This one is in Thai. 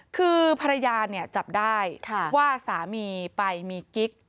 คือภรรยาเนี่ยจับได้ว่าสามีไปมีกิ๊ก